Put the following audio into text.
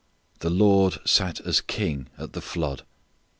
The Lord sat as King at the flood.